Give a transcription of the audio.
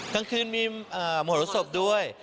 กลางคืนมีมหลวงศพด้วย